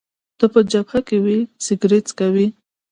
ته په جبهه کي وې، سګرېټ څکوې؟